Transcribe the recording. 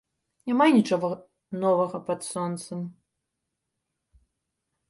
Няма нічога новага пад сонцам.